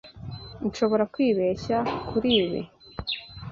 Nshobora kwibeshya kuri ibi.